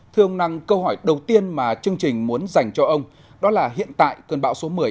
thưa ông năng câu hỏi đầu tiên mà chương trình muốn dành cho ông đó là hiện tại cơn bão số một mươi